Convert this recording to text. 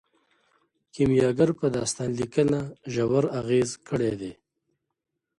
کیمیاګر په داستان لیکنه ژور اغیز کړی دی.